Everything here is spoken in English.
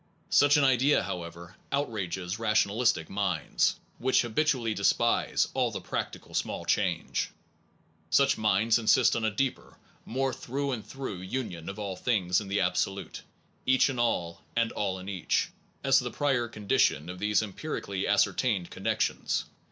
Such an idea, however,, outrages rationalistic minds, which habitually despise all this practical small change. Such minds insist on a deeper, more through and through union of all things in the absolute, each in all and all in each, as the prior con dition of these empirically ascertained connec tions.